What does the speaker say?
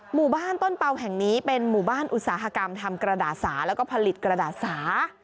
หมู่บ้านต้นเปล่าแห่งนี้เป็นหมู่บ้านอุตสาหกรรมทำกระดาษสาแล้วก็ผลิตกระดาษสา